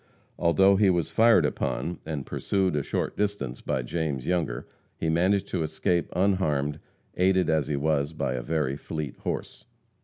Although he was fired upon and pursued a short distance by James Younger, he managed to escape unharmed, aided as he was by a very fleet horse.